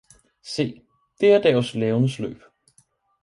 Se, det er deres levnedsløb!